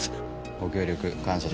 ご協力感謝しま。